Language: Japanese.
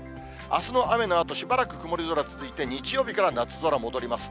あすの雨のあと、しばらく曇り空続いて、日曜日から夏空戻ります。